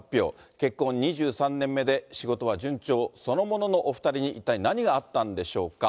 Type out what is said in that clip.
結婚２３年目で仕事が順調そのもののお２人に、一体何があったんでしょうか。